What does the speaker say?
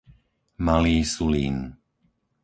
Malý Sulín